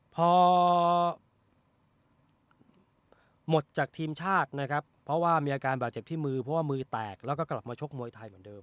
พอหมดจากทีมชาตินะครับเพราะว่ามีอาการบาดเจ็บที่มือเพราะว่ามือแตกแล้วก็กลับมาชกมวยไทยเหมือนเดิม